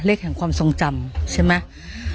เลขของความทรงจำใช่ไหม